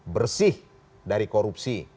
bersih dari korupsi